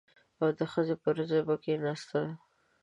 او د ښځې پر ځای به کښېناستل.